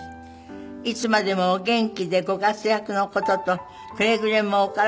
「いつまでもお元気でご活躍の事とくれぐれもお体